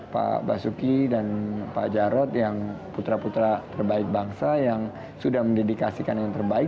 pak basuki dan pak jarod yang putra putra terbaik bangsa yang sudah mendedikasikan yang terbaik